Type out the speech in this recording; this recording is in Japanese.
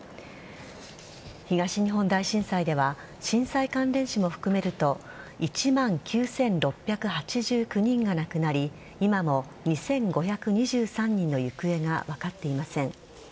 東日本大震災では震災関連死を含めると１万９６８９人が亡くなり今も２５２３人の行方が分かっていません。